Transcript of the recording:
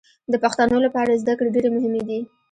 د پښتنو لپاره زدکړې ډېرې مهمې دي